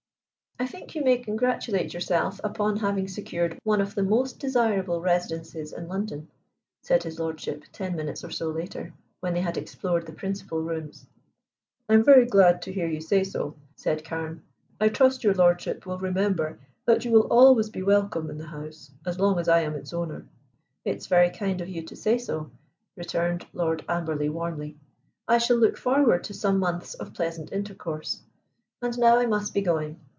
"I think you may congratulate yourself upon having secured one of the most desirable residences in London," said his lordship ten minutes or so later, when they had explored the principal rooms. "I am very glad to hear you say so," said Carne. "I trust your lordship will remember that you will always be welcome in the house as long as I am its owner." "It is very kind of you to say so," returned Lord Amberley warmly. "I shall look forward to some months of pleasant intercourse. And now I must be going.